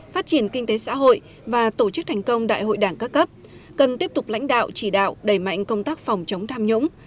phát triển kinh tế xã hội và tổ chức thành công đại hội đảng các cấp cần tiếp tục lãnh đạo chỉ đạo đẩy mạnh công tác phòng chống tham nhũng